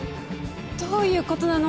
どういう事なの？